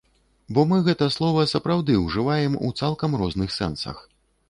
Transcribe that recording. Бо мы гэта слова сапраўды ўжываем у цалкам розных сэнсах.